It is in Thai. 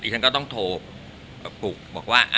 ฉันก็ต้องโทรกับปลุกบอกว่า